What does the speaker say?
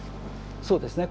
そうですね。